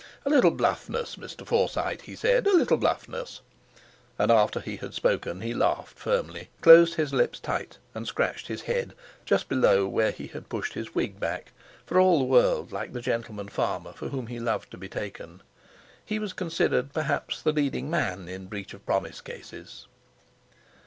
"A little bluffness, Mr. Forsyte," he said, "a little bluffness," and after he had spoken he laughed firmly, closed his lips tight, and scratched his head just below where he had pushed his wig back, for all the world like the gentleman farmer for whom he loved to be taken. He was considered perhaps the leading man in breach of promise cases.